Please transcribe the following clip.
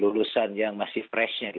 lulusan yang masih freshnya